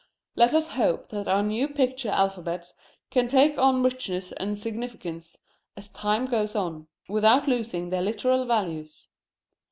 Let us hope that our new picture alphabets can take on richness and significance, as time goes on, without losing their literal values.